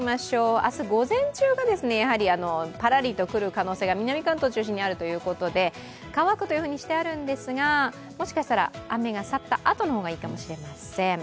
明日午前中がパラリと来る可能性が南関東を中心にあるということで乾くとしてあるんですが、もしかしたら雨が去ったあとの方がいいかもしれません。